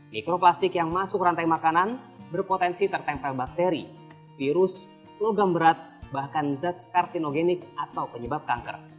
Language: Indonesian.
mikroplastik yang masuk rantai makanan berpotensi tertempel bakteri virus logam berat bahkan zat karsinogenik atau penyebab kanker